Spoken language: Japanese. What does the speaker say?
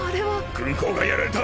軍港がやられた！！